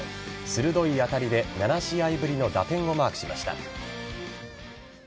鋭い当たりで７試合ぶりの打点をマークしました。